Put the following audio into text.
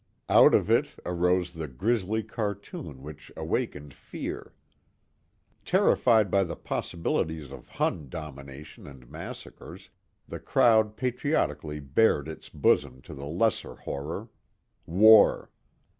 Out of it arose the grisly cartoon which awakened fear. Terrified by the possibilities of Hun domination and massacres, the crowd patriotically bared its bosom to the lesser horror war.